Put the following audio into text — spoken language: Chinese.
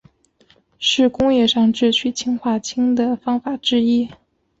是工业上制取氰化氢的方法之一。